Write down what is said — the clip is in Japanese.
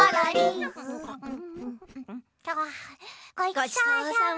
ごちそうさま。